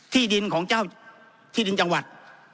ที่ดินของเจ้าที่ดินจังหวัด